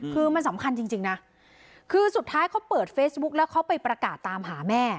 คือมันสำคัญจริงนะคือสุดท้ายเขาเปิดเฟซบุ๊กแล้วเขาไปประกาศตามหาแม่